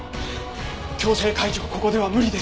強制解除はここでは無理です。